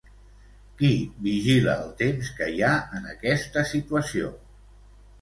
Qui vigila el temps que hi ha en aquesta situació?